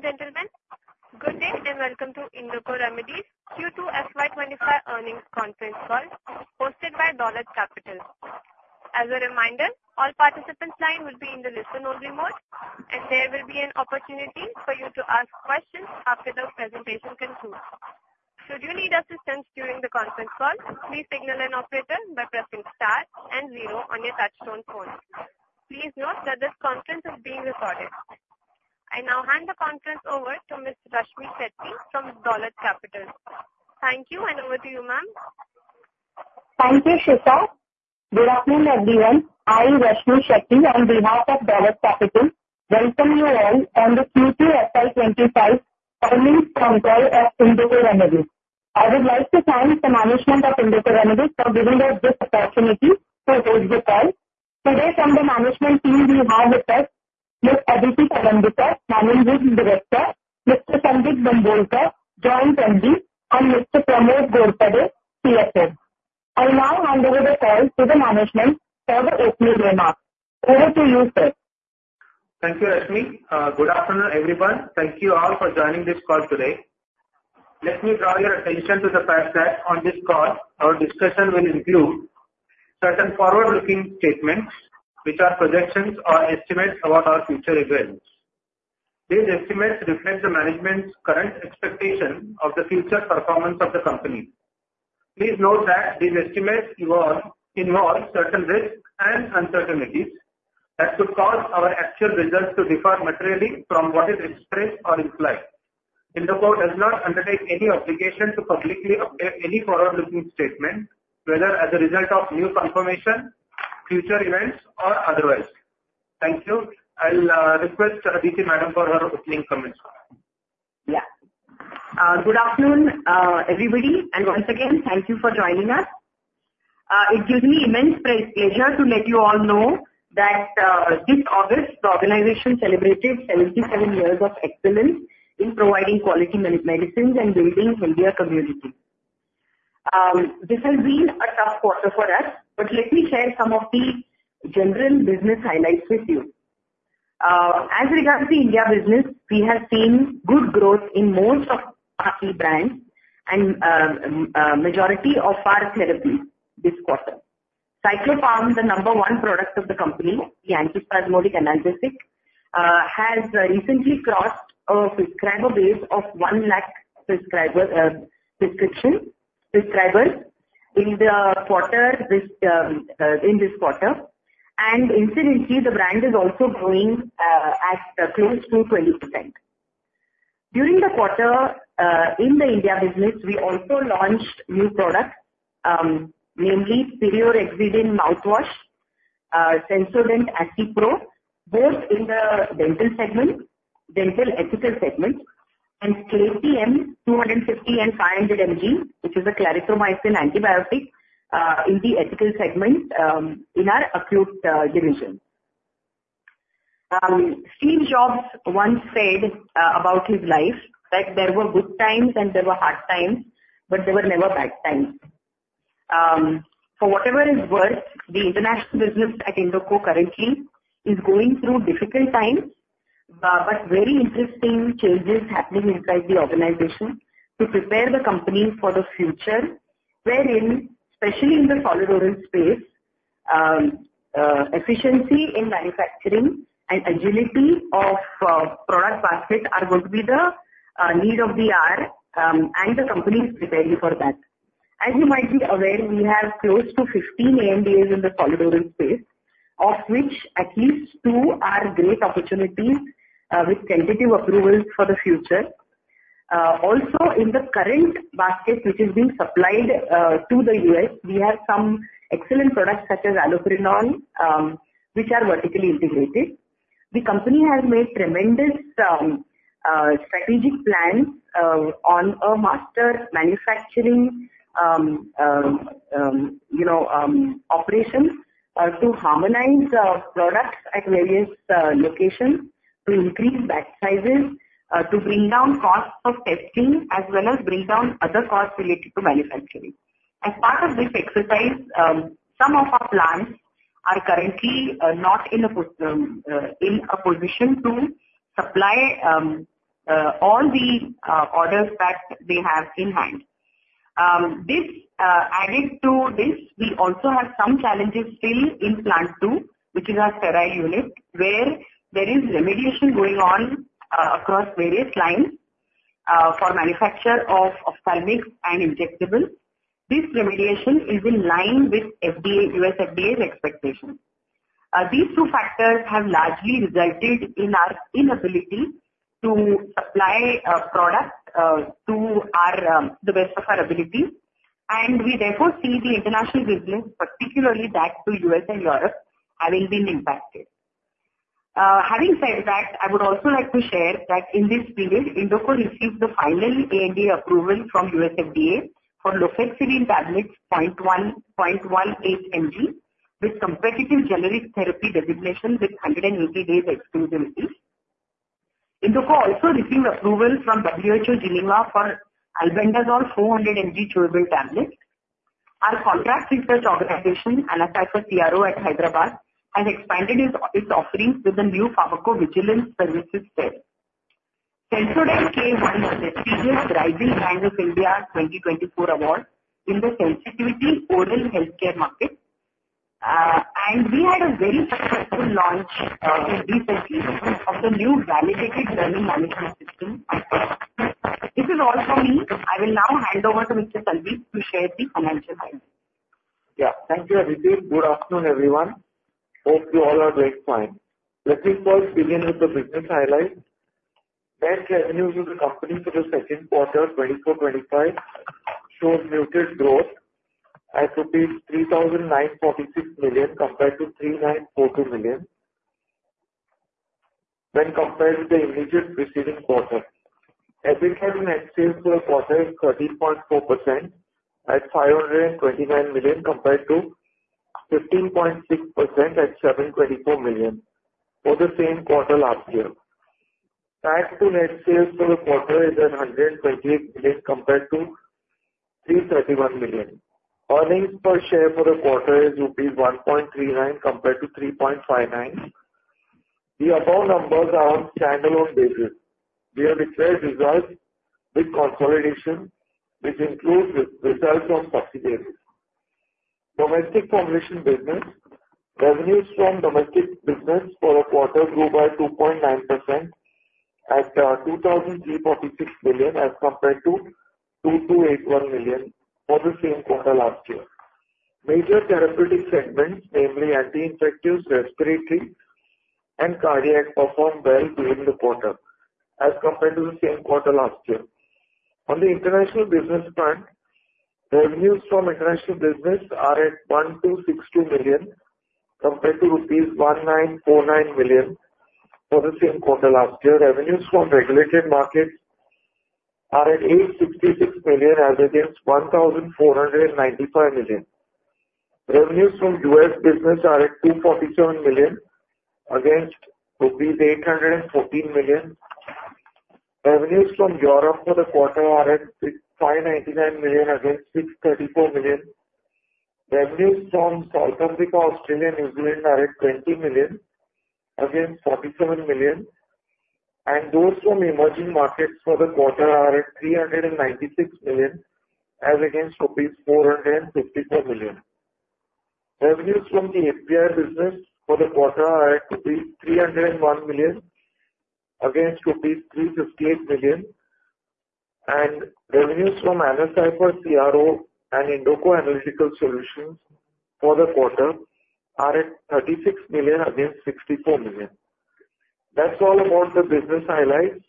Ladies and gentlemen, good day and welcome to Indoco Remedies Q2 FY 2025 Earnings Conference Call, hosted by Dolat Capital. As a reminder, all participants' lines will be in the listen-only mode, and there will be an opportunity for you to ask questions after the presentation concludes. Should you need assistance during the conference call, please signal an operator by pressing star and zero on your touchtone phone. Please note that this conference is being recorded. I now hand the conference over to Ms. Rashmi Shetty from Dolat Capital. Thank you, and over to you, ma'am. Thank you, Shifa. Good afternoon, everyone. I, Rashmi Shetty, on behalf of Dolat Capital, welcome you all on the Q2 FY twenty-five earnings conference call at Indoco Remedies. I would like to thank the management of Indoco Remedies for giving us this opportunity to host the call. Today, from the management team, we have with us Ms. Aditi Panandikar, Managing Director, Mr. Sundeep Bambolkar, Joint MD, and Mr. Pramod Ghorpade, CFO. I will now hand over the call to the management for the opening remarks. Over to you, sir. Thank you, Rashmi. Good afternoon, everyone. Thank you all for joining this call today. Let me draw your attention to the fact that on this call, our discussion will include certain forward-looking statements, which are projections or estimates about our future events. These estimates reflect the management's current expectation of the future performance of the company. Please note that these estimates involve certain risks and uncertainties that could cause our actual results to differ materially from what is expressed or implied. Indoco does not undertake any obligation to publicly update any forward-looking statement, whether as a result of new confirmation, future events, or otherwise. Thank you. I'll request Aditi Madam for her opening comments. Yeah. Good afternoon, everybody, and once again, thank you for joining us. It gives me immense pleasure to let you all know that, this August, the organization celebrated seventy-seven years of excellence in providing quality medicines and building healthier communities. This has been a tough quarter for us, but let me share some of the general business highlights with you. As regards to India business, we have seen good growth in most of our key brands and majority of our therapy this quarter. Cyclopam, the number one product of the company, the antispasmodic analgesic, has recently crossed a subscriber base of one lakh prescription subscribers in this quarter, and incidentally, the brand is also growing at close to 20%. During the quarter, in the India business, we also launched new products, namely, Rexidin Mouthwash, Sensodent Acid Pro, both in the dental segment, dental ethical segment, and Clatim 250 and 500 mg, which is a clarithromycin antibiotic, in the ethical segment, in our acute, division. Steve Jobs once said, about his life that there were good times and there were hard times, but there were never bad times. For whatever is worth, the international business at Indoco currently is going through difficult times, but very interesting changes happening inside the organization to prepare the company for the future, wherein, especially in the solid oral space, efficiency in manufacturing and agility of, product baskets are going to be the, need of the hour, and the company is preparing for that. As you might be aware, we have close to 15 ANDA in the solid oral space, of which at least two are great opportunities with tentative approvals for the future. Also, in the current basket, which is being supplied to the U.S., we have some excellent products, such as allopurinol, which are vertically integrated. The company has made tremendous strategic plans on a master manufacturing, you know, operations to harmonize our products at various locations, to increase batch sizes, to bring down costs for testing, as well as bring down other costs related to manufacturing. As part of this exercise, some of our plants are currently not in a position to supply all the orders that they have in hand. This added to this, we also have some challenges still in Plant Two, which is our sterile unit, where there is remediation going on across various lines for manufacture of ophthalmics and injectables. This remediation is in line with FDA, U.S. FDA's expectations. These two factors have largely resulted in our inability to supply products to the best of our ability, and we therefore see the international business, particularly that to the U.S. and Europe, having been impacted. Having said that, I would also like to share that in this period, Indoco received the final ANDA approval from U.S. FDA for Lofexidine tablets 0.1, 0.18 mg, with competitive generic therapy designation with 180 days exclusivity. Indoco also received approval from WHO Geneva for albendazole 400 mg chewable tablets. Our contract research organization, AnaCipher CRO at Hyderabad, has expanded its offerings with the new pharmacovigilance services there. Sensodent-K won the prestigious Rising Brands of India 2024 award in the sensitivity oral healthcare market. And we had a very successful launch, recently, of the new validated learning management system. This is all for me. I will now hand over to Mr. Sundeep to share the financial highlights. Yeah. Thank you, Aditi. Good afternoon, everyone. Hope you all are doing fine. Let me first begin with the business highlights. Net revenues of the company for the second quarter twenty-four, twenty-five shows muted growth at 3,946 million, compared to 3,942 million, when compared to the immediate preceding quarter. EBITDA in net sales for the quarter is 13.4% at 529 million, compared to 15.6% at 724 million, for the same quarter last year. EBIT to net sales for the quarter is at 128 million, compared to 331 million. Earnings per share for the quarter is rupees 1.39, compared to 3.59. The above numbers are on standalone basis. We have declared results with consolidation, which includes results from subsidiaries. Domestic formulation business. Revenues from domestic business for the quarter grew by 2.9% at 2,346 million, as compared to 2,281 million for the same quarter last year. Major therapeutic segments, namely anti-infectives, respiratory and cardiac, performed well during the quarter as compared to the same quarter last year. On the international business front, revenues from international business are at 1,262 million, compared to rupees 1,949 million for the same quarter last year. Revenues from regulated markets are at 866 million, as against 1,495 million. Revenues from US business are at 247 million, against rupees 814 million. Revenues from Europe for the quarter are at 659 million, against 634 million. Revenues from South Africa, Australia, New Zealand, are at 20 million against 47 million, and those from emerging markets for the quarter are at 396 million, as against rupees 454 million. Revenues from the API business for the quarter are at rupees 301 million, against rupees 358 million. And revenues from Anacypher CRO and Indoco Analytical Solutions for the quarter are at 36 million, against 64 million. That's all about the business highlights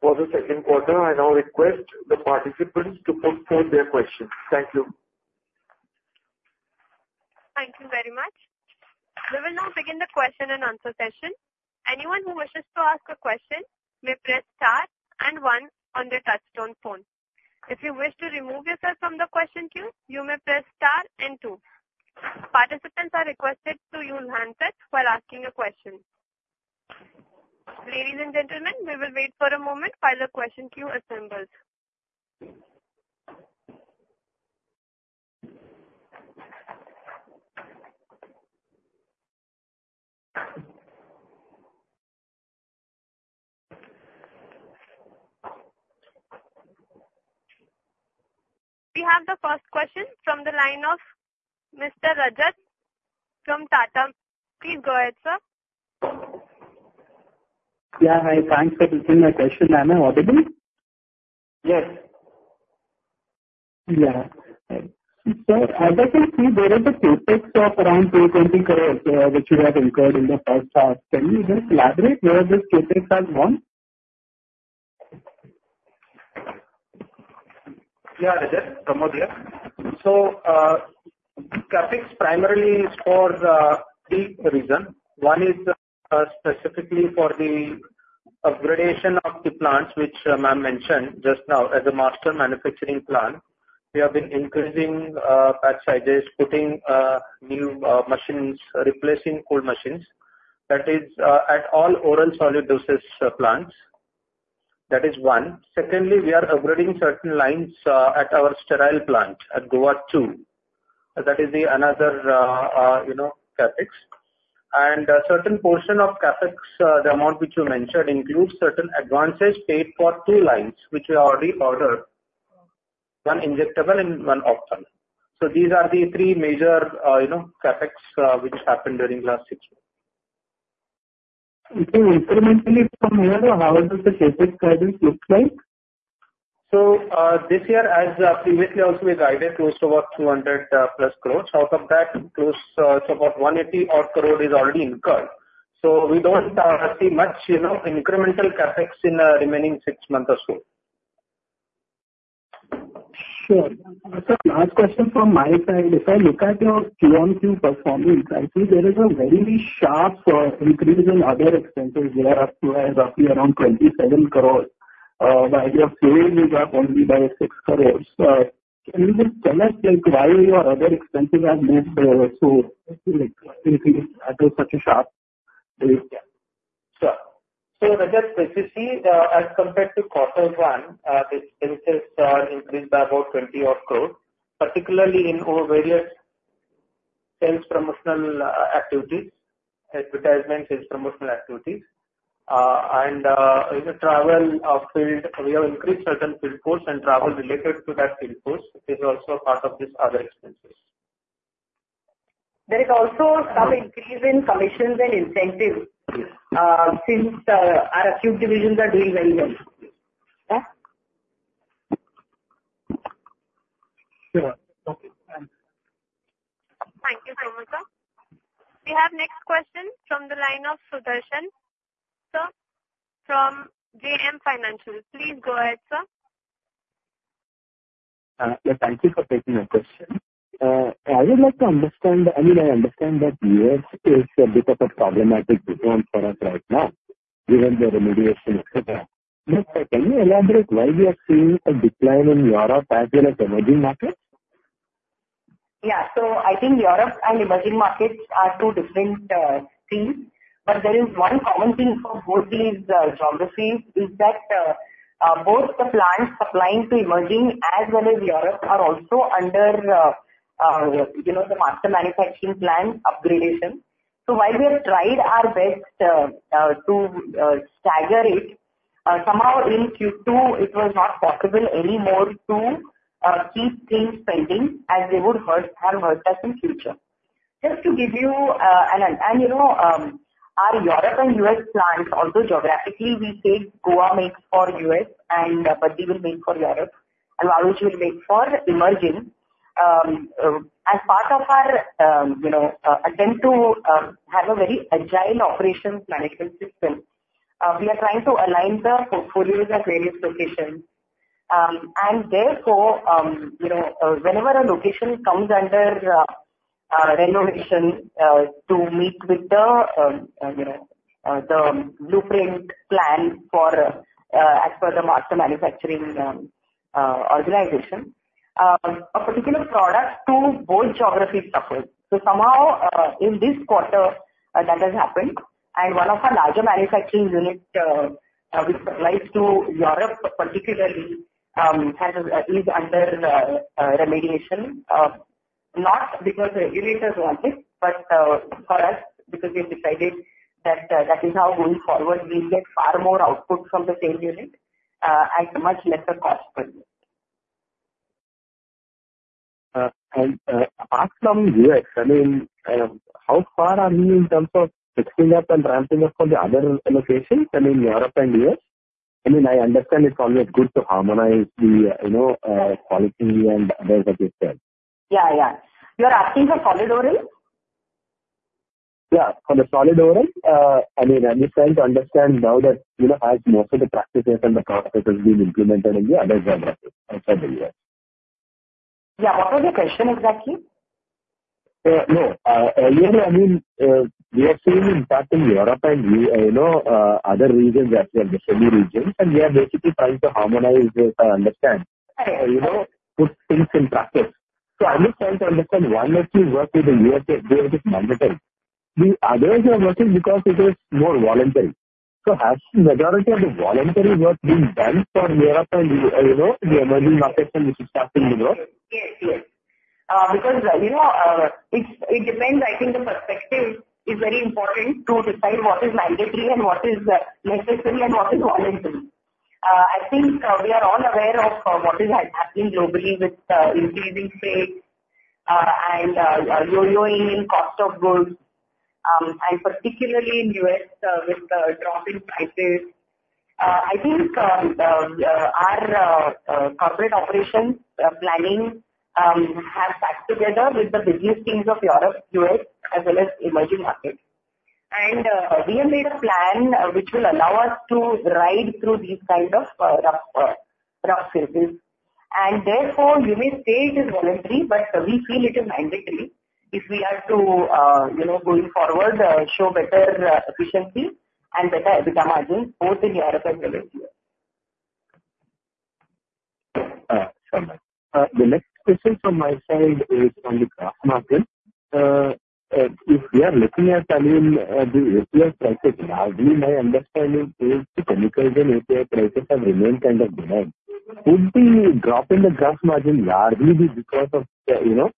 for the second quarter. I now request the participants to put forth their questions. Thank you. Thank you very much. We will now begin the question and answer session. Anyone who wishes to ask a question may press star and one on their touch-tone phone. If you wish to remove yourself from the question queue, you may press star and two. Participants are requested to unmute themselves while asking a question. Ladies and gentlemen, we will wait for a moment while the question queue assembles. We have the first question from the line of Mr. Rajat from Tata. Please go ahead, sir. Yeah, hi. Thanks for taking my question. Am I audible? Yes. Yeah. So as I can see, there is a CapEx of around 220 crore, which you have incurred in the first half. Can you just elaborate where this CapEx has gone? Yeah, Rajat. Pramod here. So, CapEx primarily is for the three reason. One is, specifically for the upgrading of the plants, which, I mentioned just now as a master manufacturing plan. We have been increasing, batch sizes, putting, new, machines, replacing old machines. That is, at all oral solid doses, plants. That is one. Secondly, we are upgrading certain lines, at our sterile plant at Goa two. That is another, you know, CapEx. And a certain portion of CapEx, the amount which you mentioned, includes certain advances paid for three lines, which we already ordered, one injectable and one ophthalmic. So these are the three major, you know, CapEx, which happened during last six months. Okay. Incrementally from here, how is the CapEx guidance looks like? So, this year, as previously also we guided close to about 200+ crores. Out of that, close, so about 180 odd crore is already incurred, so we don't see much, you know, incremental CapEx in the remaining six months or so. Sure. Sir, last question from my side. If I look at your Q-on-Q performance, I see there is a very sharp increase in other expenses year up to as roughly around 27 crores, while your sales is up only by 6 crores. So can you just tell us, like, why your other expenses have moved, so, like, I think it is such a sharp rise? Sure. So, as compared to quarter one, the expenses are increased by about 20-odd crores, particularly in our various sales promotional activities, advertisement sales promotional activities. And, in the travel of field, we have increased certain field force and travel related to that field force; it is also part of this other expenses. There is also some increase in commissions and incentives, since our CDMO divisions are doing very well. Yeah? Sure. Okay, thanks. Thank you so much, sir. We have next question from the line of Sudarshan. Sir, from JM Financial. Please go ahead, sir. Yeah, thank you for taking my question. I would like to understand. I mean, I understand that U.S. is a bit of a problematic zone for us right now, given the remediation, et cetera. But can you elaborate why we are seeing a decline in Europe as well as emerging markets? Yeah. So I think Europe and emerging markets are two different things, but there is one common thing for both these geographies is that both the plants supplying to emerging as well as Europe are also under you know the Master Manufacturing Plan upgradation. So while we have tried our best to stagger it somehow in Q2 it was not possible anymore to keep things pending as they would hurt us in future. Just to give you. And you know our Europe and U.S. plants also geographically we say Goa makes for U.S. and Baddi will make for Europe and Vadodara will make for emerging. As part of our, you know, attempt to have a very agile operations management system, we are trying to align the portfolios at various locations. Therefore, you know, whenever a location comes under renovation to meet with the, you know, the blueprint plan for, as per the Master Manufacturing Plan, a particular product to both geographies suffers. Somehow, in this quarter, that has happened, and one of our larger manufacturing unit, which supplies to Europe particularly, is under remediation, not because the regulators want it, but for us, because we've decided that that is how going forward, we'll get far more output from the same unit, at much lesser cost per unit. Apart from U.S., I mean, how far are we in terms of fixing up and ramping up for the other locations and in Europe and U.S.? I mean, I understand it's always good to harmonize the, you know, quality and other such things. Yeah, yeah. You're asking for solid oral? Yeah, for the solid oral. I mean, I'm just trying to understand now that, you know, as most of the practices and the process has been implemented in the other geographies outside the U.S. Yeah. What was your question exactly? No, earlier, I mean, we are seeing impact in Europe and we, you know, other regions as well, the semi-regulated regions, and we are basically trying to harmonize this and understand, you know, put things in practice. So I'm just trying to understand how the work with the USA, they are just mandatory. The others are working because it is more voluntary. So has the majority of the voluntary work been done for Europe and, you know, the emerging markets and which is starting to grow? Yes. Yes. Because, you know, it's, it depends. I think the perspective is very important to decide what is mandatory and what is necessary and what is voluntary. I think we are all aware of what is happening globally with increasing pace, and yo-yoing cost of goods, and particularly in U.S., with the drop in prices. I think our corporate operations planning have put together with the business teams of Europe, U.S., as well as emerging markets. And we have made a plan which will allow us to ride through these kind of rough cycles. Therefore, you may say it is voluntary, but we feel it is mandatory if we are to, you know, going forward, show better efficiency and better margin, both in Europe and the US. Sure, ma'am. The next question from my side is on the gross margin. If we are looking at, I mean, the API prices, largely my understanding is the chemicals and API prices have remained kind of benign. Would the drop in the gross margin largely be because of the, you know,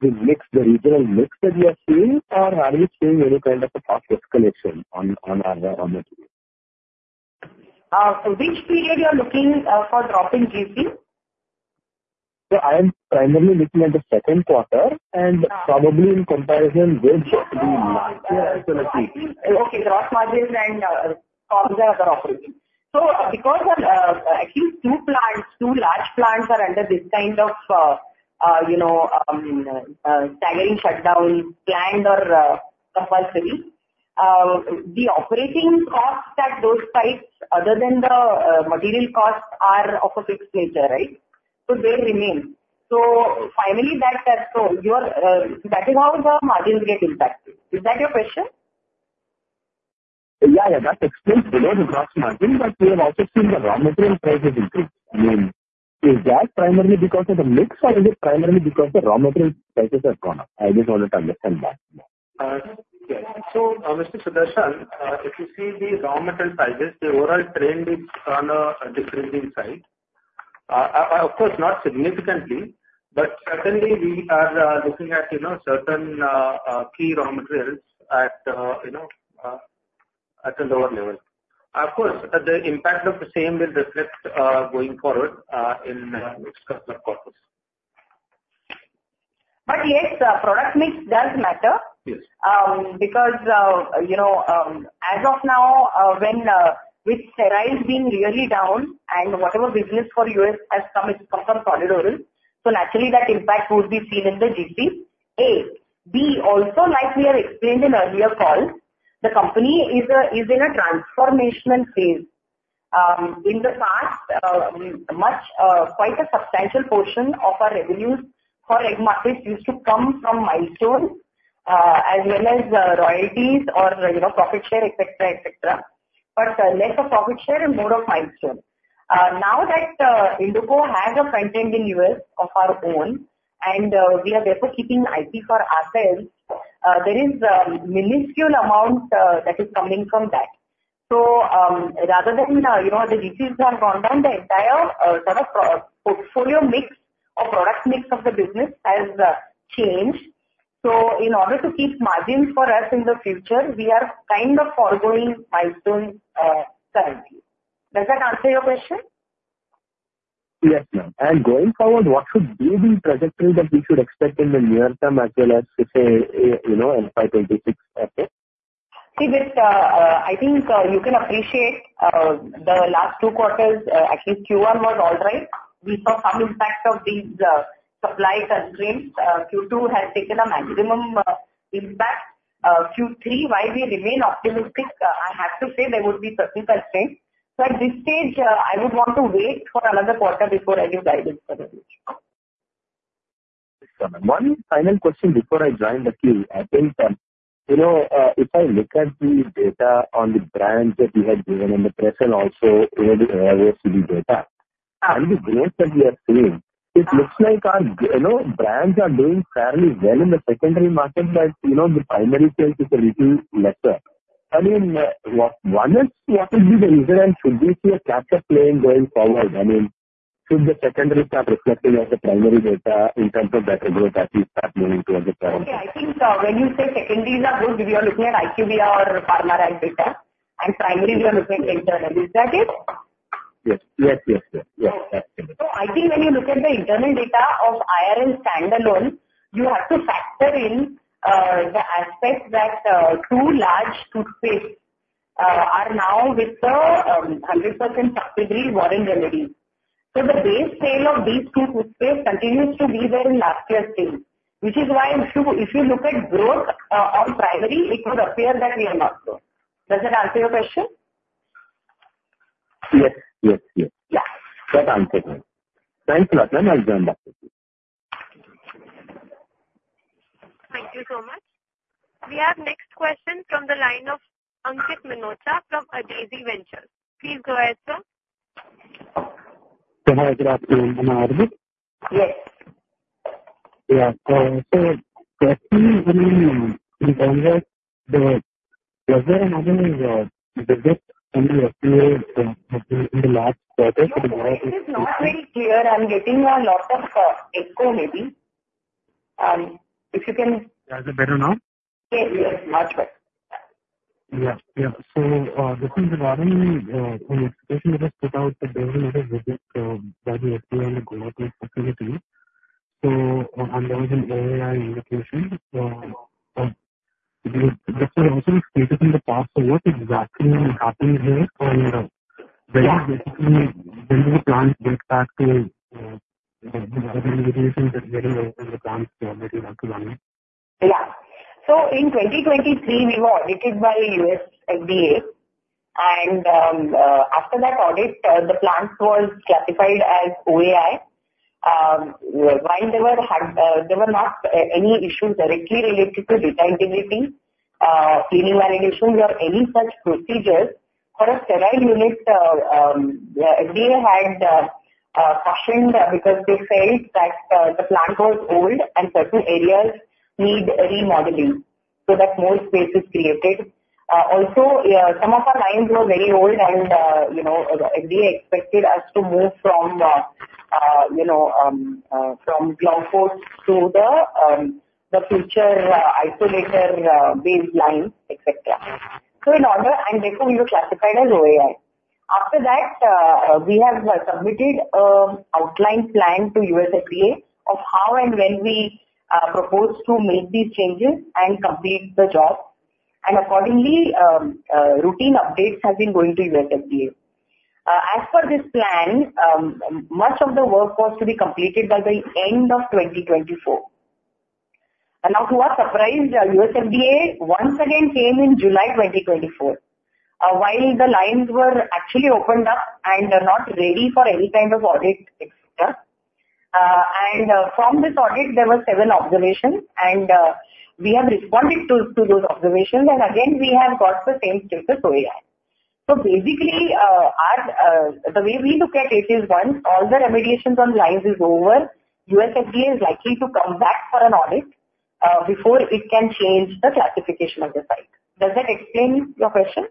the mix, the regional mix that we are seeing, or are we seeing any kind of a cost escalation on the? So which period you are looking for drop in GC? I am primarily looking at the second quarter, and probably in comparison with the last year as well as this. Okay, gross margins and costs and other operating. So because of at least two plants, two large plants are under this kind of you know tagged shutdown, planned or compulsory, the operating costs at those sites, other than the material costs, are of a fixed nature, right? So they remain. So finally, that so your... That is how the margins get impacted. Is that your question? Yeah, yeah, that explains the lower gross margin, but we have also seen the raw material prices increase. I mean. Is that primarily because of the mix, or is it primarily because the raw material prices have gone up? I just want to understand that more. Yeah, so Mr. Sudarshan, if you see the raw material prices, the overall trend is on a decreasing side. Of course, not significantly, but certainly we are looking at, you know, certain key raw materials at, you know, at a lower level. Of course, the impact of the same will reflect going forward in its quarters. But yes, product mix does matter. Yes. Because, you know, as of now, when with steroids being really down and whatever business for U.S. has come, it's become solid oral. So naturally, that impact would be seen in the GC, A. B. Also, like we have explained in earlier call, the company is in a transformational phase. In the past, much quite a substantial portion of our revenues for emerging markets used to come from milestone as well as royalties or, you know, profit share, et cetera, et cetera. But less of profit share and more of milestone. Now that Indoco has a front-end in U.S. of our own, and we are therefore keeping IP for ourselves, there is a minuscule amount that is coming from that. So, rather than, you know, the details have gone down, the entire, sort of, portfolio mix or product mix of the business has changed. So in order to keep margins for us in the future, we are kind of foregoing milestone currently. Does that answer your question? Yes, ma'am. And going forward, what should be the trajectory that we should expect in the near term, as well as to say, you know, in 2026, okay? See this, I think you can appreciate the last two quarters, at least Q1 was all right. We saw some impact of these supply constraints. Q2 has taken a maximum impact. Q3, while we remain optimistic, I have to say there would be certain constraints. So at this stage, I would want to wait for another quarter before I give guidance for the future. One final question before I join the queue. I think, you know, if I look at the data on the brands that you had given in the press and also in the AIOCD data and the growth that we are seeing, it looks like our, you know, brands are doing fairly well in the secondary market, but, you know, the primary sales is a little lesser. I mean, one is, what would be the reason, and should we see a capture playing going forward? I mean, should the secondary start reflecting on the primary data in terms of that growth as you start moving toward the primary? Okay, I think, when you say secondaries are good, we are looking at IQVIA or Pharmarack data, and primary, we are looking internal. Is that it? Yes. Yes, yes, yes. Yes, absolutely. So I think when you look at the internal data of IRL standalone, you have to factor in the aspect that two large toothpaste are now with the 100% subsidiary Warren Remedies. So the base sale of these two toothpaste continues to be at last year's same, which is why if you look at growth on primary, it would appear that we are not growing. Does that answer your question? Yes. Yes, yes. Yeah. That answers it. Thanks a lot, ma'am. I'll join back with you. Thank you so much. We have next question from the line of Ankit Minocha from Adezi Ventures. Please go ahead, sir. So, hi, good afternoon. Am I audible? Yes. Yeah. So, actually, I mean, in terms of the pleasure having the gift from the FDA in the last quarter- It is not very clear. I'm getting a lot of echo, maybe. If you can- Is it better now? Yeah, yes, much better. Yeah. Yeah. So, recently, an institution just put out that there was a visit by the FDA in the global facility. So, and there was an OAI indication that had also been stated in the past. So what exactly happened here? And, where does basically the new plan gets back to the other indications that were in the plans that you have to run? Yeah. So in 2023, we were audited by US FDA, and, after that audit, the plant was classified as OAI. While there were not any issues directly related to data integrity, cleaning validation, or any such procedures for a sterile unit. Yeah, FDA had cautioned because they felt that the plant was old and certain areas need remodeling so that more space is created. Also, some of our lines were very old, and, you know, FDA expected us to move from, you know, from glove ports to the, the future, isolator baseline, et cetera. So in order, and therefore we were classified as OAI. After that, we have submitted an outline plan to US FDA of how and when we propose to make these changes and complete the job. And accordingly, routine updates have been going to US FDA. As per this plan, much of the work was to be completed by the end of twenty twenty-four. And now, to our surprise, US FDA once again came in July twenty twenty-four. While the lines were actually opened up and are not ready for any kind of audit, from this audit there were seven observations, and we have responded to those observations, and again, we have got the same status, OAI. So basically, the way we look at it is once all the remediations on lines is over, USFDA is likely to come back for an audit before it can change the classification of the site. Does that explain your question?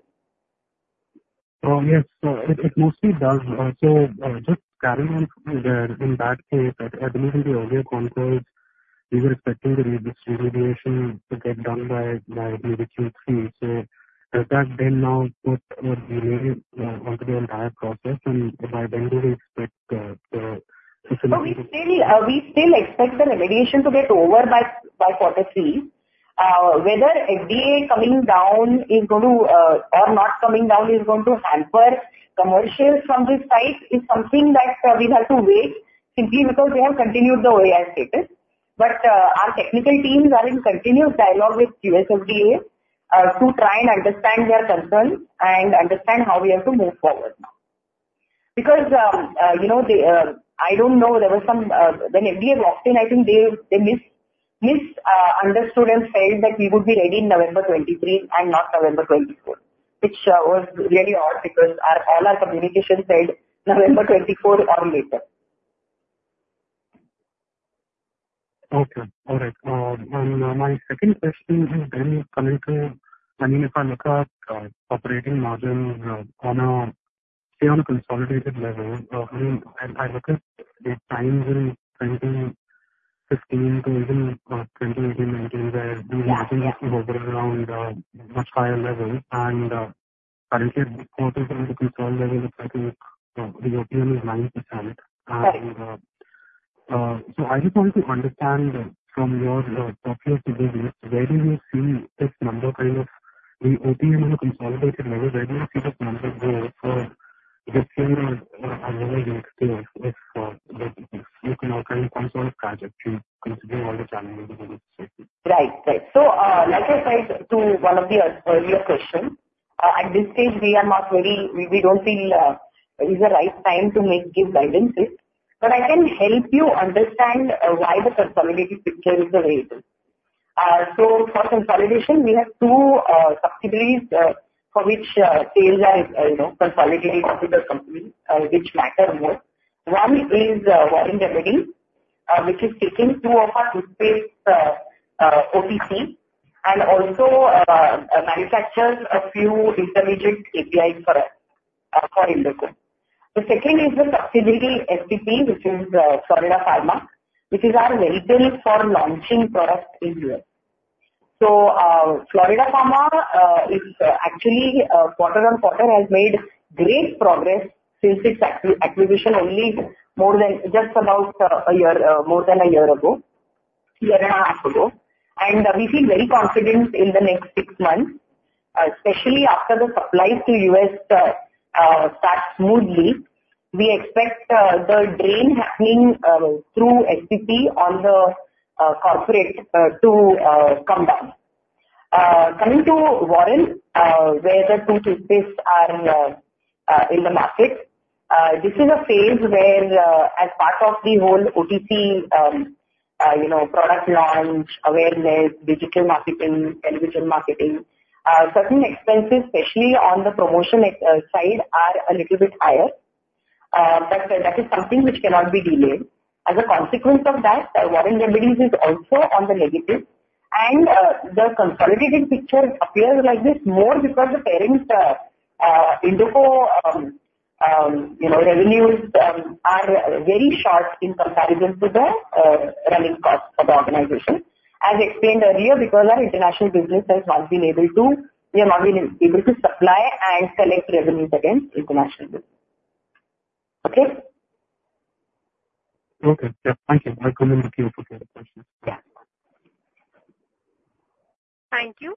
Yes. So it mostly does. So, just carrying on from there, in that case, at least in the earlier contours, we were expecting this remediation to get done by maybe Q3. So has that been now put delayed onto the entire process, and by when do you expect the- No, we still expect the remediation to get over by quarter three. Whether FDA coming down is going to or not coming down is going to hamper commercials from this site is something that we'll have to wait simply because they have continued the OAI status. But our technical teams are in continuous dialogue with USFDA to try and understand their concerns and understand how we have to move forward now. Because you know I don't know there was some when FDA was on site I think they misunderstood and said that we would be ready in November 2023 and not November 2024 which was really odd because all our communication said November 2024 or later. Okay. All right. And my second question is then coming to, I mean, if I look at operating margins on a, say, on a consolidated level, I look at the times in 2015 to even 2018, 2019, where the margins were around much higher levels. And currently, quarter to quarter level, looks like the OPM is 9%. Yes. I just want to understand from your perspective, where do you see this number kind of, the OPM on a consolidated level, where do you see this number go for the similar upcoming years? If you can offer any kind of trajectory considering all the challenges that you described. Right. Right. So, like I said to one of the earlier questions, at this stage, we are not very. We don't feel is the right time to give guidances. But I can help you understand why the consolidated picture is the way it is. So for consolidation, we have two subsidiaries for which sales are, you know, consolidated to the company, which matter more. One is Warren Remedies, which is making two of our toothpaste OTC, and also manufactures a few intermediate APIs for us for Indoco. The second is the subsidiary SDP, which is Florida Pharma, which is our vehicle for launching products in U.S. Florida Pharma is actually quarter on quarter has made great progress since its acquisition only more than just about a year more than a year ago year and a half ago. We feel very confident in the next six months especially after the supplies to US start smoothly. We expect the drain happening through SDP on the corporate to come down. Coming to Warren where the two toothpastes are in the market this is a phase where as part of the whole OTC you know product launch awareness digital marketing television marketing certain expenses especially on the promotion side are a little bit higher. But that is something which cannot be delayed. As a consequence of that, Warren Remedies is also on the negative, and the consolidated picture appears like this more because the parent, Indoco, you know, revenues are very sharp in comparison to the running costs of the organization. As explained earlier, we have not been able to supply and collect revenues against international business. Okay? Okay. Yeah. Thank you. I come in with you for further questions. Yeah. Thank you.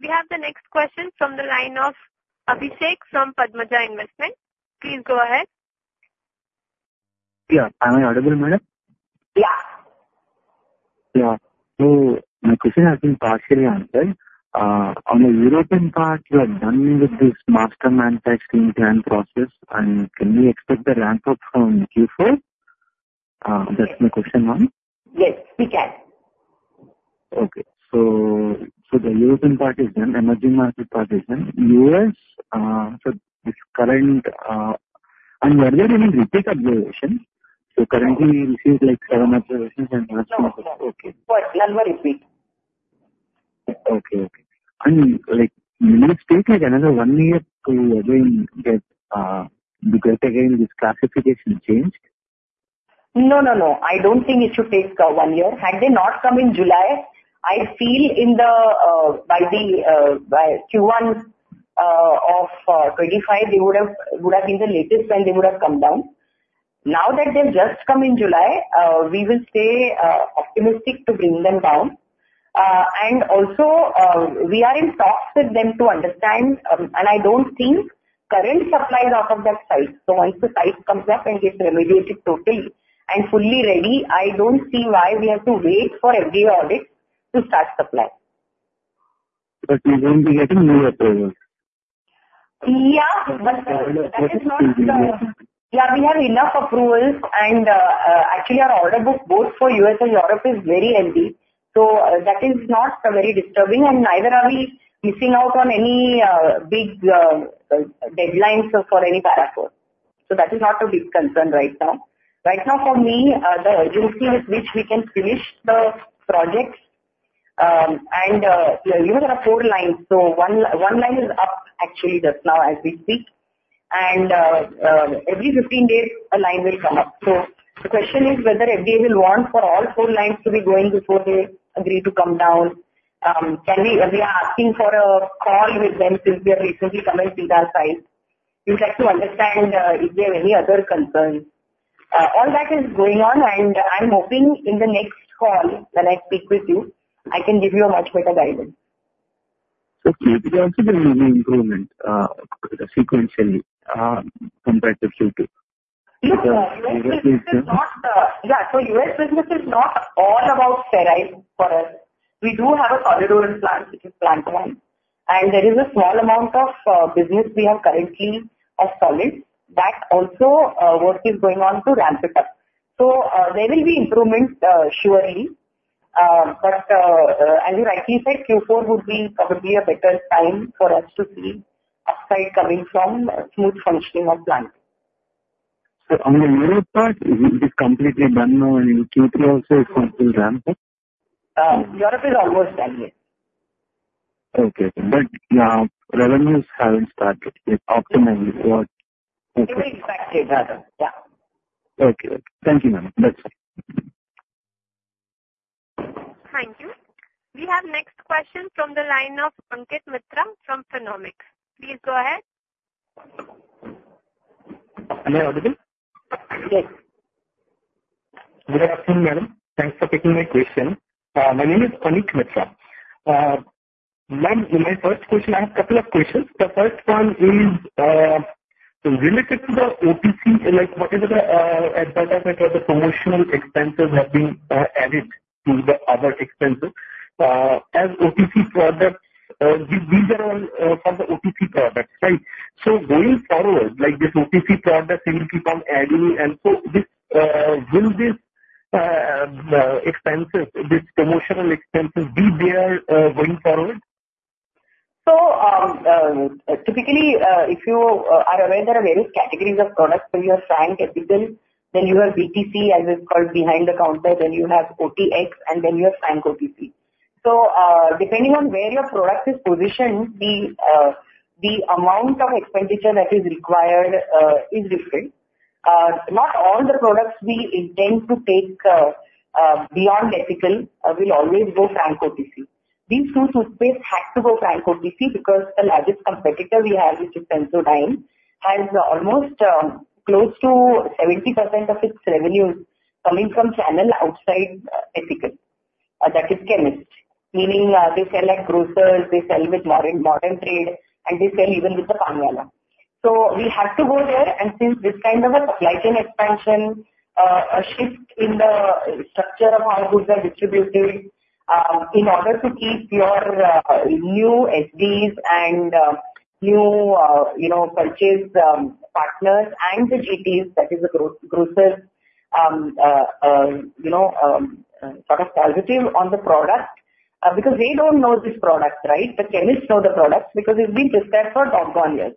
We have the next question from the line of Abhishek from Padmaja Investment. Please go ahead. Yeah. Am I audible, Madam? Yeah. Yeah. So my question has been partially answered. On the European part, you are done with this Master Manufacturing Plan process, and can we expect the ramp-up from Q4? That's my question one. Yes, we can. Okay. So the European part is done. Emerging market part is done. US, so this current... And were there any repeat observations? So currently we see, like, seven observations and- No. Okay. But none were repeat. Okay. Okay. And, like, will it take, like, another one year to again get this classification changed? No, no, no. I don't think it should take one year. Had they not come in July, I feel by Q1 of twenty-five, they would've been the latest time they would have come down. Now that they've just come in July, we will stay optimistic to bring them down. And also, we are in talks with them to understand... And I don't think current supplies are of that size. So once the size comes up and is remediated totally and fully ready, I don't see why we have to wait for FDA audit to start supply. But you're going to be getting new approvals? Yeah, but that is not. Yeah, we have enough approvals, and actually, our order book, both for US and Europe, is very empty. So that is not very disturbing, and neither are we missing out on any big deadlines for any product. So that is not a big concern right now. Right now, for me, the urgency with which we can finish the projects, and you know, there are four lines. So one line is up actually just now as we speak, and every 15 days, a line will come up. So the question is whether FDA will want for all four lines to be going before they agree to come down. We are asking for a call with them since they have recently come and seen our site. We'd like to understand, if they have any other concerns. All that is going on, and I'm hoping in the next call, when I speak with you, I can give you a much better guidance. Okay. There has been improvement, sequentially, compared to Q2? Yeah. So US business is not all about sterile for us. We do have a solid oral plant, which is Plant 1, and there is a small amount of business we have currently of solids. That also, work is going on to ramp it up. So, there will be improvements, surely, but, as you rightly said, Q4 would be probably a better time for us to see upside coming from smooth functioning of plant. So on the Europe part, it is completely done now, and in Q4 also it's nothing rampant? Europe is almost done, yes. Okay. But, revenues haven't started yet optimally for it. We will expect it. Yeah. Okay. Thank you, ma'am. That's it. Thank you. We have next question from the line of Ankit Mitra from Fenomics. Please go ahead. Am I audible? Yes. Good afternoon, ma'am. Thanks for taking my question. My name is Ankit Mitra. Ma'am, my first question... I have a couple of questions. The first one is related to the OTC, like, whatever the advertiser or the promotional expenses have been added to the other expenses. As OTC products, these are all from the OTC products, right? So going forward, like this OTC products, you will keep on adding, and so this will this expenses, this promotional expenses, be there going forward? Typically, if you are aware, there are various categories of products. You have frank ethical, then you have BTC, as it's called, behind the counter, then you have OTX, and then you have frank OTC. Depending on where your product is positioned, the amount of expenditure that is required is different. Not all the products we intend to take beyond ethical will always go frank OTC. These two toothpaste had to go frank OTC because the largest competitor we have, which is Sensodyne, has almost close to 70% of its revenues coming from channel outside ethical, that is, chemist. Meaning, they sell at grocers, they sell with modern trade, and they sell even with the panwala. So we had to go there, and since this kind of a supply chain expansion, a shift in the structure of how goods are distributed, in order to keep your new SDs and new, you know, purchase partners and the GTAs, that is, the grocers, you know, sort of positive on the product, because they don't know this product, right? The chemists know the products because they've been there for twelve, one years.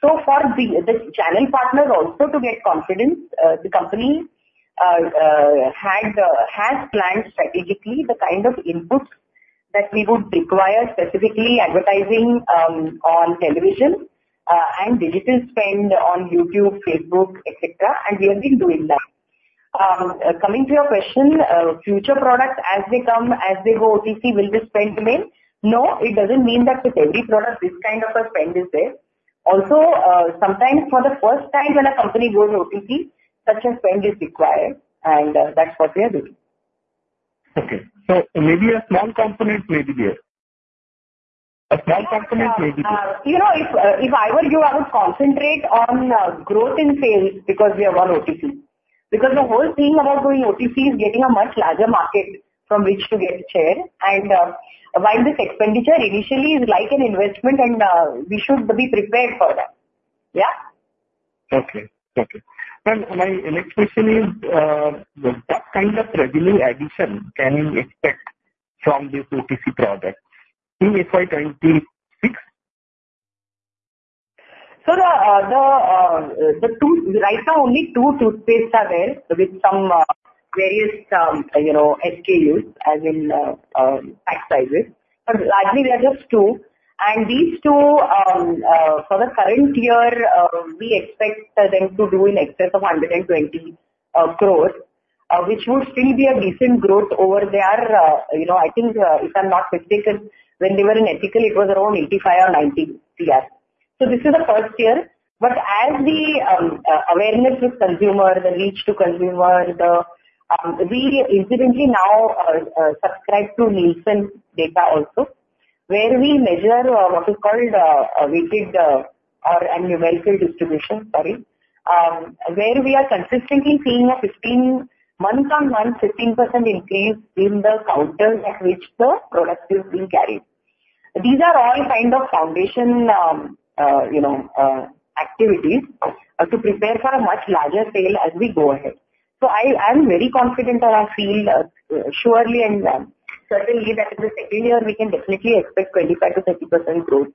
So for the channel partners also to get confidence, the company has planned strategically the kind of inputs that we would require, specifically advertising on television and digital spend on YouTube, Facebook, et cetera, and we have been doing that. Coming to your question, future products as they come, as they go OTC, will the spend remain? No, it doesn't mean that with every product, this kind of a spend is there. Also, sometimes for the first time, when a company goes OTC, such a spend is required, and that's what we are doing. Okay. So maybe a small component may be there. You know, if I were you, I would concentrate on growth in sales because we have gone OTC. Because the whole thing about going OTC is getting a much larger market from which to get a share, and while this expenditure initially is like an investment and we should be prepared for that. Yeah? Okay. Okay. Ma'am, my next question is, what kind of revenue addition can we expect from this OTC product in FY 2026? So the two right now only two toothpastes are there, with some various you know SKUs, as in pack sizes. But largely, there are just two, and these two for the current year we expect them to do in excess of 120 crores, which would still be a decent growth over their you know, I think if I'm not mistaken, when they were in ethical it was around 85 or 90 CR. So this is the first year, but as the awareness with consumer, the reach to consumer, the. We incidentally now subscribe to Nielsen data also, where we measure what is called weighted or numerical distribution, sorry. where we are consistently seeing a 15 month-on-month 15% increase in the counters at which the product is being carried. These are all kind of foundation, you know, activities to prepare for a much larger sale as we go ahead. So I'm very confident, and I feel surely and certainly that in the second year we can definitely expect 25%-30% growth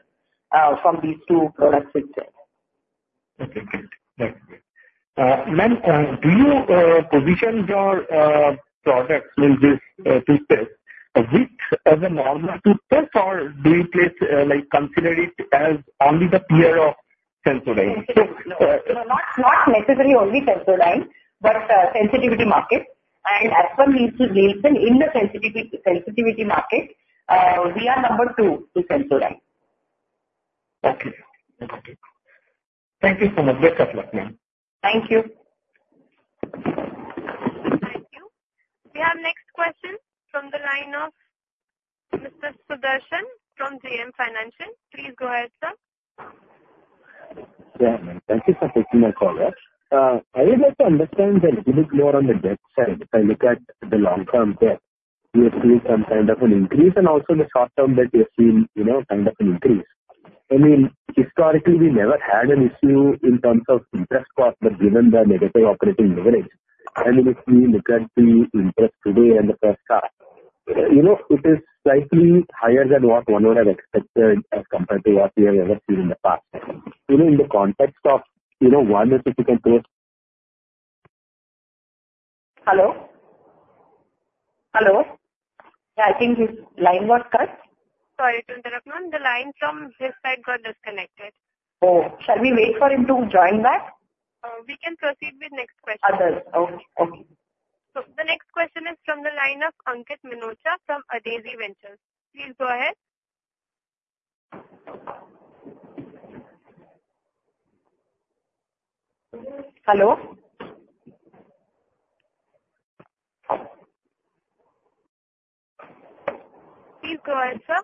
from these two products itself. Okay, great. Thank you. Ma'am, do you position your products in this toothpaste which is a normal toothpaste, or do you, like, consider it as only the cure of Sensodyne? No, not necessarily only Sensodyne, but sensitivity market. As per Nielsen, in the sensitivity market, we are number two to Sensodyne. Okay. Okay. Thank you so much. Best of luck, ma'am. Thank you. Thank you. We have next question from the line of Mr. Sudarshan from JM Financial. Please go ahead, sir. Yeah, thank you for taking my call. I would like to understand a little more on the debt side. If I look at the long-term debt, we are seeing some kind of an increase and also in the short term that we are seeing, you know, kind of an increase. I mean, historically, we never had an issue in terms of interest cost, but given the negative operating leverage, and if we look at the interest today and the first half, you know, it is slightly higher than what one would have expected as compared to what we have ever seen in the past. You know, in the context of, you know, one significant growth- Hello? Hello. I think his line got cut. Sorry for the interruption. The line from his side got disconnected. Oh, shall we wait for him to join back? We can proceed with next question. Okay, okay. So the next question is from the line of Ankit Minocha from Adezi Ventures. Please go ahead. Hello? Please go ahead, sir.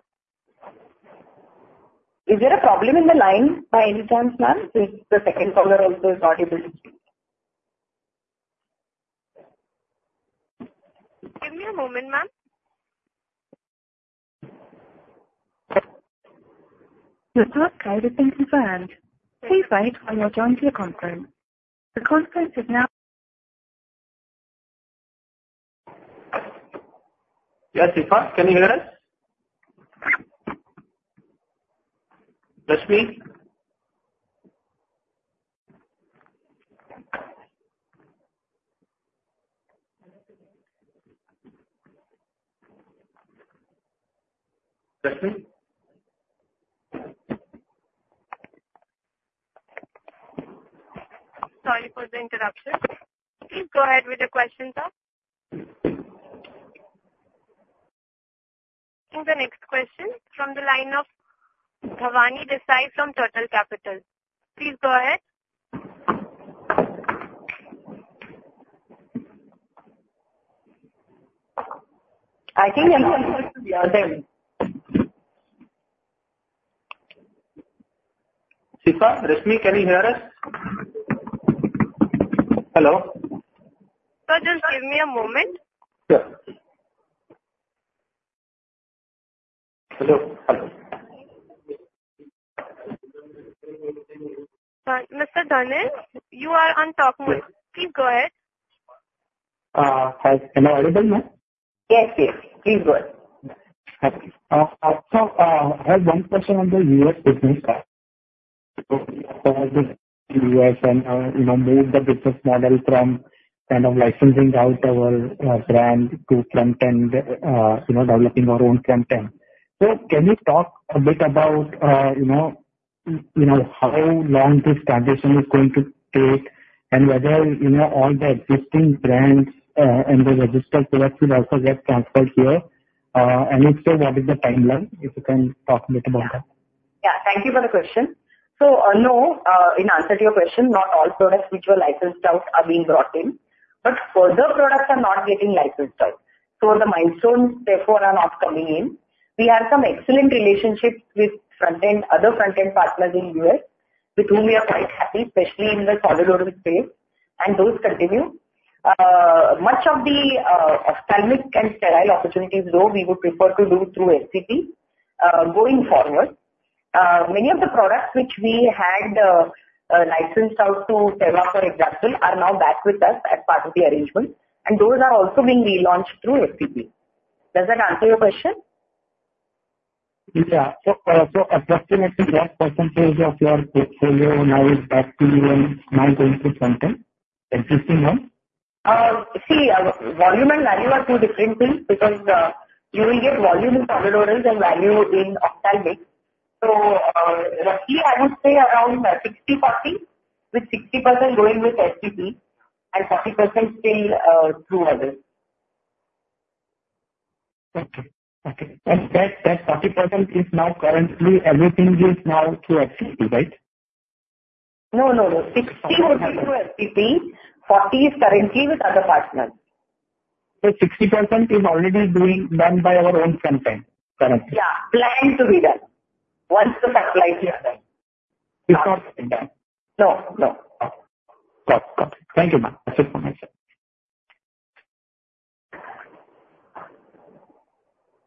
Is there a problem in the line by any chance, ma'am? Since the second caller also is not able to speak. Give me a moment, ma'am. Your pass code has been confirmed. Please wait while you're joined to the conference. The conference is now- Yes, Shifa, can you hear us? Rashmi? Rashmi? Sorry for the interruption. Please go ahead with your question, sir. The next question from the line of Bhavani Desai from Turtle Capital. Please go ahead. I think he- Shifa, Rashmi, can you hear us? Hello? Sir, just give me a moment. Sure. Hello? Hello. Mr. Dhananjey, you are on talk mode. Please go ahead. Hi. Am I audible, ma'am? Yes, yes. Please go ahead. So, I have one question on the U.S. business. So in U.S. and, you know, move the business model from kind of licensing out our brand to front end, you know, you know, how long this transition is going to take and whether, you know, all the existing brands and the registered products will also get transferred here? And if so, what is the timeline? If you can talk a bit about that. Yeah, thank you for the question, so no, in answer to your question, not all products which were licensed out are being brought in, but further products are not getting licensed out, so the milestones therefore are not coming in. We have some excellent relationships with front-end, other front-end partners in U.S., with whom we are quite happy, especially in the solid oral space, and those continue. Much of the ophthalmic and sterile opportunities, though, we would prefer to do through FPP going forward. Many of the products which we had licensed out to Teva, for example, are now back with us as part of the arrangement, and those are also being relaunched through FPP. Does that answer your question? Yeah. So, so approximately what percentage of your portfolio now is back to you and now going to front end, existing one? See, volume and value are two different things, because you will get volume in solid orals and value in ophthalmic. So, roughly I would say around 60/40, with 60% going with FPP and 40% still through others. Okay. Okay. And that 40% is now currently everything is now through FPP, right? No, no, no. Sixty would be through FPP, forty is currently with other partners. So 60% is already being done by our own company currently? Yeah, planned to be done. Once the supplies are done. It's not done? No, no. Got it. Thank you, ma'am. That's it from my side.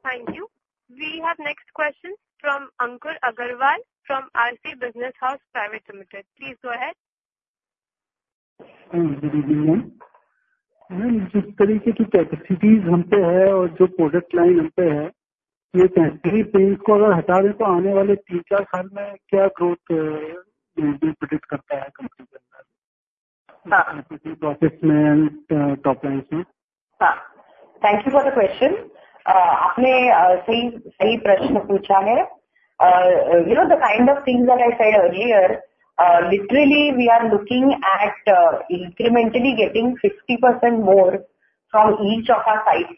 Thank you. We have next question from Ankur Agarwal from RC Business House Private Limited. Please go ahead. Good evening, ma'am. Ma'am, the kind of capacities we have and the product line we have, if we remove this factory, what growth can we predict in the coming three to four years in the company? In the process and top line. Yes. Thank you for the question. You have asked the right question. You know, the kind of things that I said earlier, literally, we are looking at, incrementally getting 50% more from each of our sites,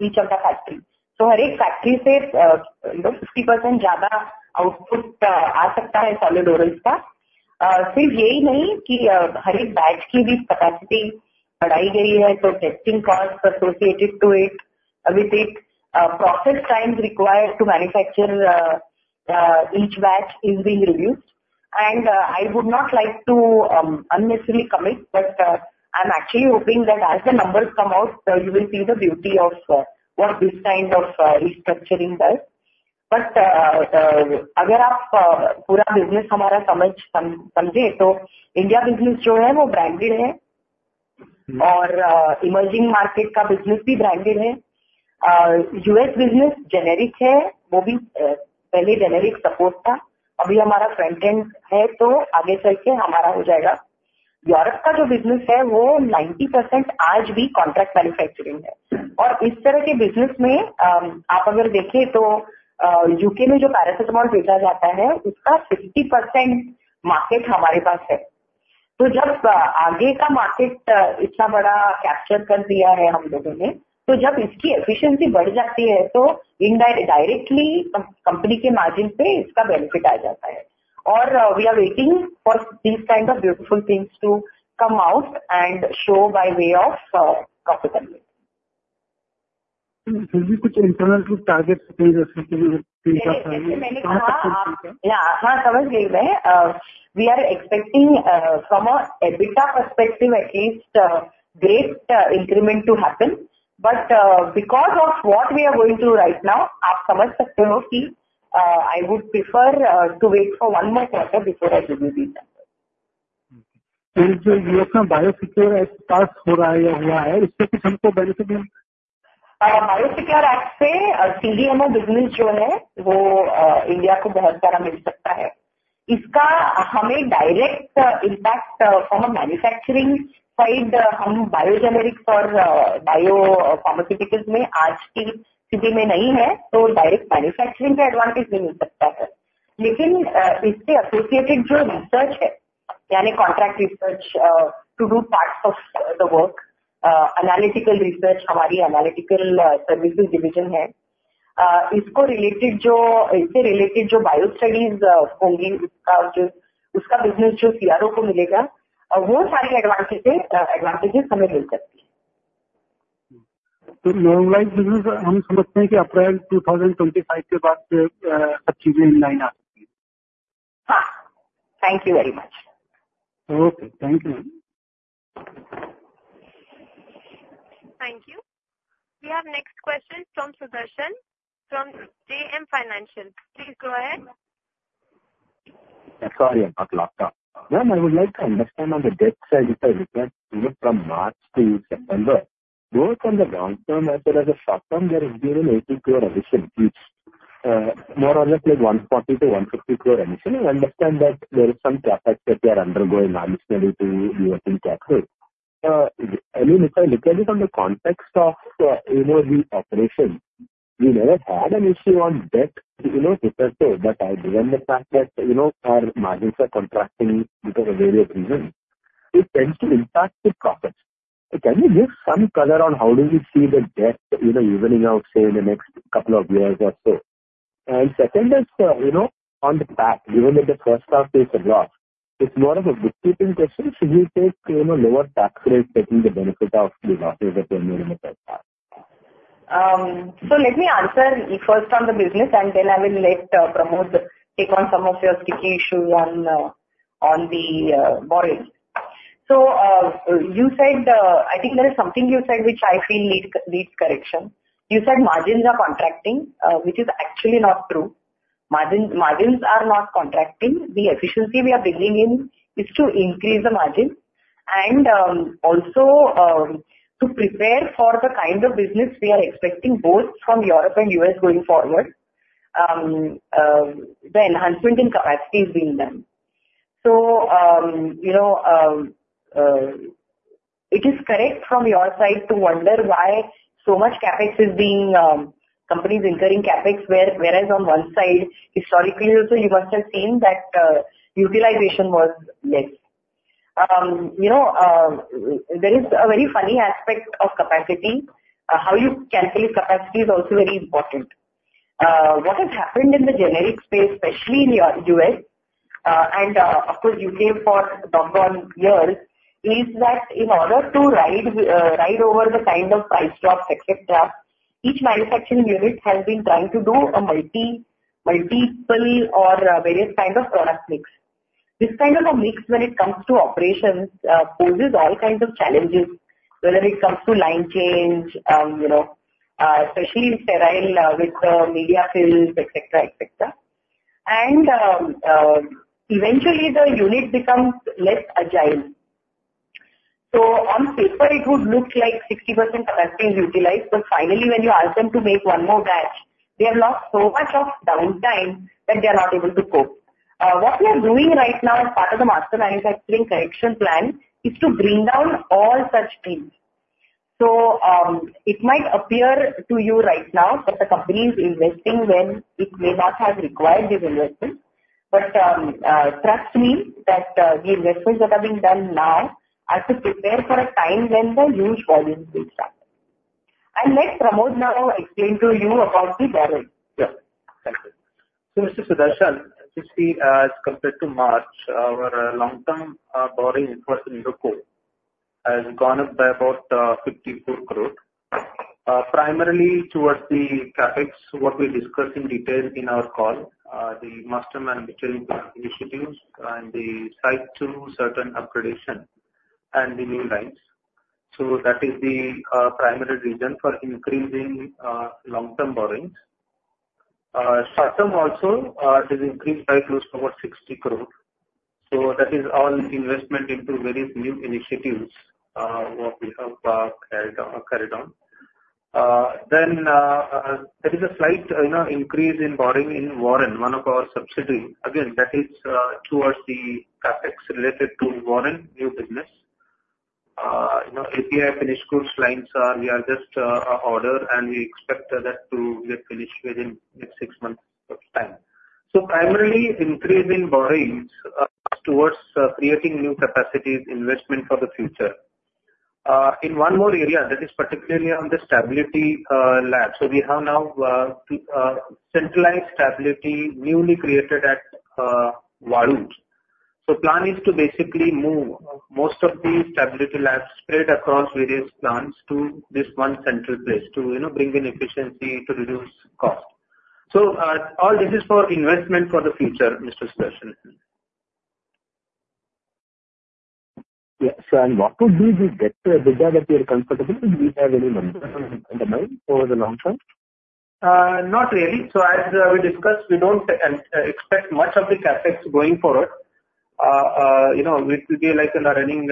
each of the factory. So from each factory, you know, 60% more output can come from solid orals. Not only this, but the capacity of each batch has also been increased, so testing costs associated with it, process times required to manufacture, each batch is being reduced. And I would not like to unnecessarily commit, but, I'm actually hoping that as the numbers come out, you will see the beauty of, what this kind of restructuring does. But, if you understand our whole business, so the India business is branded, and the emerging market business is also branded. U.S. business is generic, that too, earlier it was generic support, now it is our front end, so it will become ours in the future. The Europe business is 90% contract manufacturing even today. And in this kind of business, if you see, the paracetamol that is sold in the U.K., we have 60% of its market. So when we have captured such a large market share in the future, then when its efficiency increases, so indirectly, its benefit comes on the company's margin. And we are waiting for these kind of beautiful things to come out and show by way of profitability. Is there any internal target for this? Yeah, as I understand, we are expecting from a EBITDA perspective, at least great increment to happen. But because of what we are going through right now, you can understand that I would prefer to wait for one more quarter before I give you the answer. So the BioSecure Act that is being passed or has happened in the US, how does it benefit us? The BioSecure Act can give a lot of CDMO business to India. We may get a direct impact from a manufacturing side. We are not in the bio-generics or bio-pharmaceuticals sector today, so we may not get the direct advantage of manufacturing, but the associated research, that is, contract research, to do parts of the work, analytical research, our analytical services division is there. The related - the bio studies related to this, the business that will be given to CRO, and all those advantages we can get. Normalized business, we understand that after April two thousand twenty-five, things will come in line. Yes. Thank you very much. Okay. Thank you, ma'am. Thank you. We have next question from Sudarshan from JM Financial. Please go ahead. Sorry, I got locked up. Ma'am, I would like to understand on the debt side, if I look at you from March to September, both on the long term as well as the short term, there is been 80 crore addition. It's more or less like 140-150 crore addition. I understand that there is some CapEx that you are undergoing necessarily to utilize in capital. I mean, if I look at it from the context of, you know, the operation, you never had an issue on debt, you know, per se, but given the fact that, you know, our margins are contracting due to a variety of reasons, it tends to impact the profits. So can you give some color on how do you see the debt, you know, evening out, say, in the next couple of years or so? And second is, you know, on the tax, even in the first half, there's a loss. It's more of a bookkeeping question. Should we take, you know, lower tax rate, taking the benefit of the losses that you made in the first half? So let me answer first on the business, and then I will let Pramod take on some of your sticky issues on the borrowing. So you said. I think there is something you said which I feel needs correction. You said margins are contracting, which is actually not true. Margins are not contracting. The efficiency we are building in is to increase the margin and also to prepare for the kind of business we are expecting, both from Europe and US going forward. The enhancement in capacity is being done. So you know, it is correct from your side to wonder why so much CapEx is being companies incurring CapEx, whereas on one side, historically also, you must have seen that utilization was less. You know, there is a very funny aspect of capacity. How you calculate capacity is also very important. What has happened in the generic space, especially in US... and, of course, UK for a number of years, is that in order to ride over the kind of price drops, et cetera, each manufacturing unit has been trying to do a multiple or, various kind of product mix. This kind of a mix, when it comes to operations, poses all kinds of challenges, whether it comes to line change, you know, especially in sterile with the media fills, et cetera. Eventually the unit becomes less agile. On paper, it would look like 60% capacity is utilized, but finally, when you ask them to make one more batch, they have lost so much of downtime that they are not able to cope. What we are doing right now as part of the Master Manufacturing Plan is to bring down all such things. It might appear to you right now that the company is investing when it may not have required this investment, but trust me, that the investments that are being done now are to prepare for a time when the huge volumes will start. Let Pramod now explain to you about the borrowing. Yeah. Thank you. So Mr. Sudarshan, if you see, as compared to March, our long-term borrowing first in Indoco has gone up by about 54 crore, primarily towards the CapEx, what we discussed in detail in our call, the master manufacturing initiatives and the site to site upgradation and the new lines. So that is the primary reason for increasing long-term borrowings. Short-term also, it is increased by close to about 60 crore. So that is all investment into various new initiatives, what we have carried on. Then, there is a slight, you know, increase in borrowing in Warren, one of our subsidiaries. Again, that is towards the CapEx related to Warren new business. You know, API finished goods lines are – we are just order, and we expect that to get finished within the next six months of time. So primarily increase in borrowings towards creating new capacities, investment for the future. In one more area, that is particularly on the stability lab. So we have now centralized stability, newly created at Vadodara. So plan is to basically move most of the stability labs spread across various plants to this one central place, to you know, bring in efficiency, to reduce cost. So all this is for investment for the future, Mr. Sudarshan. Yes, and what would be the debt that you are comfortable? Do we have any number in mind over the long term? Not really. So as we discussed, we don't expect much of the CapEx going forward. You know, it will be like a running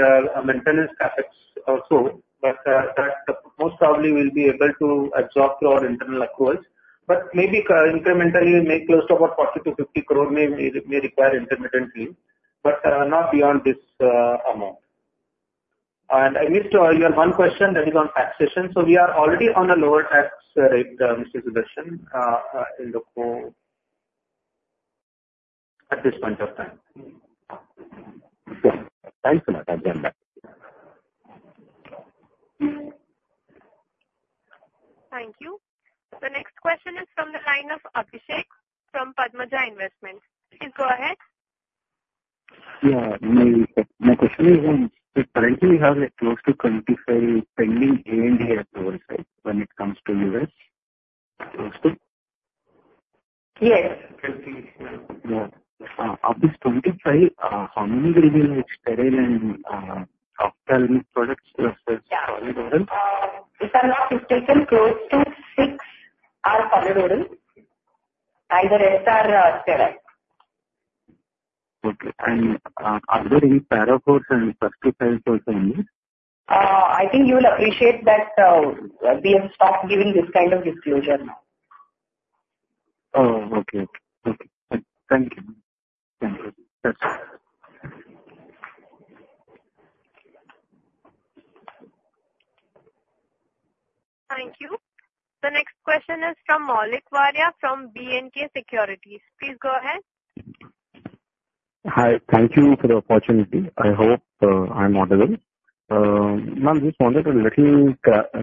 maintenance CapEx or so, but that most probably we'll be able to absorb through our internal accruals. But maybe incrementally, may close to about 40 to 50 crore may require intermittently, but not beyond this amount. And I missed your one question that is on taxation. So we are already on a lower tax rate, Mr. Sudarshan, in the core at this point of time. Thanks so much. I stand by. Thank you. The next question is from the line of Abhishek from Padmaja Investments. Please go ahead. Yeah. My question is, currently we have close to twenty-five pending ANDA at our site when it comes to U.S. Close to? Yes. 20, yeah. Of this 25, how many will be sterile and ophthalmic products versus Solid Orals? If I'm not mistaken, close to six are non-sterile. The rest are sterile. Okay, and are there any paracetamol and peptides also in this? I think you will appreciate that we have stopped giving this kind of disclosure now. Oh, okay. Okay, thank you. Thank you. That's all. Thank you. The next question is from Maulik Varia, from B&K Securities. Please go ahead. Hi. Thank you for the opportunity. I hope I'm audible. Ma'am, just wanted a little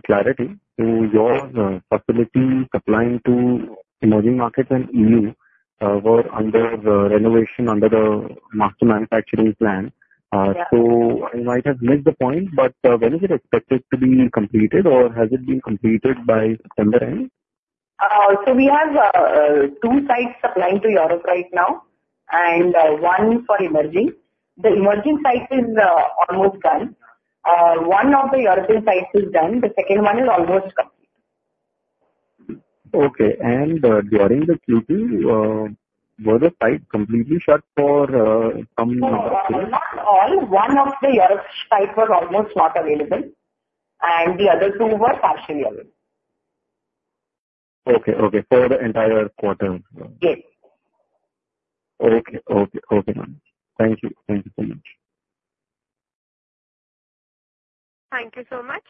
clarity to your facility supplying to emerging markets and EU were under the renovation under the Master Manufacturing Plan? Yeah. So I might have missed the point, but when is it expected to be completed, or has it been completed by September end? So we have two sites supplying to Europe right now, and one for emerging. The emerging site is almost done. One of the European sites is done. The second one is almost complete. Okay. And during the Q2, was the site completely shut for some? No, not all. One of the European sites was almost not available, and the other two were partially available. Okay, okay. For the entire quarter? Yes. Okay. Okay, okay, ma'am. Thank you. Thank you so much. Thank you so much.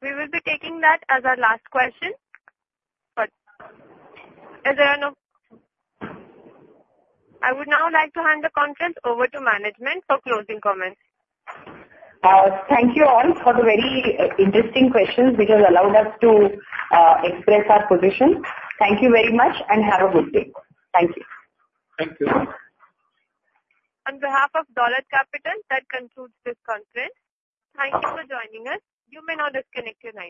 We will be taking that as our last question, but as there are no. I would now like to hand the conference over to management for closing comments. Thank you all for the very, interesting questions, which has allowed us to, express our position. Thank you very much and have a good day. Thank you. Thank you. On behalf of Dolat Capital, that concludes this conference. Thank you for joining us. You may now disconnect your lines.